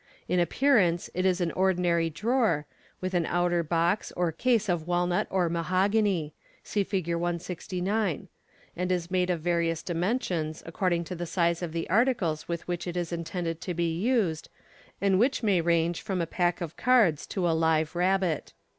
In appearance it is an ordinary drawer, with Fig. 169. Fig. 170. an outer box or case of walnut or mahogany {see Fig. 16*9), and is made of various dimensions, according to the size of the articles with which it is intended to be used, and which may range from a pack of cards to a live rabbit.